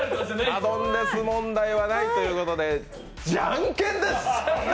サドンデス問題はないということでじゃんけんです！